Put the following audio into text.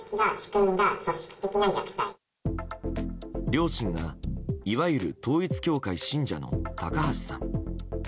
両親がいわゆる統一教会信者の高橋さん。